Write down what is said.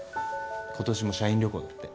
今年も社員旅行だって。